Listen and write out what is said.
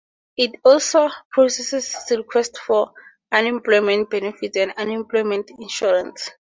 It also processes requests for unemployment benefits and unemployment insurance.